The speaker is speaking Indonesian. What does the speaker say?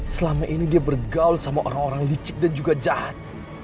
selama ini dia bergaul sama orang orang licik dan juga jahat